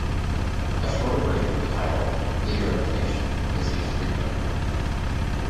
A shorter version of the title, "Leader of the Nation," is used frequently.